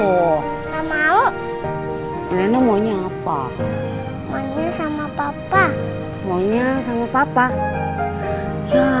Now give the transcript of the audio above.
untuk mau ikut diri ke rumah esok lagi